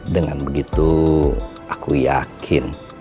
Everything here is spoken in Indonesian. dengan begitu aku yakin